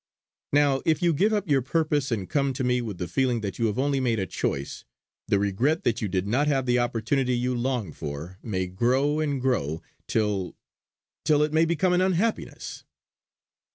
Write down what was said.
Now, if you give up your purpose and come to me with the feeling that you have only made a choice, the regret that you did not have the opportunity you longed for, may grow and grow, till till it may become an unhappiness.